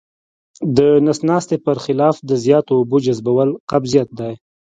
د نس ناستي پر خلاف د زیاتو اوبو جذبول قبضیت دی.